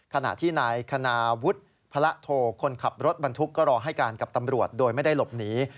ขณะที่นายคณาวุฒิพระโทคนขับรถบรรทุกก็รอให้การกับตำรวจโดยไม่ได้หลบหนี